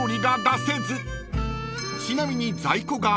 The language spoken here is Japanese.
［ちなみに］